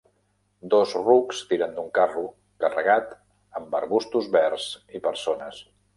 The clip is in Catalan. Dos rucs tiren d'un carro, carregat amb arbustos verds i persones.